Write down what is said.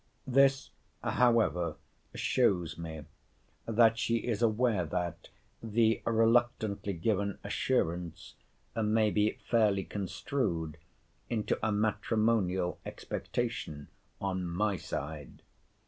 This, however, shows me, that she is aware that the reluctantly given assurance may be fairly construed into a matrimonial expectation on my side.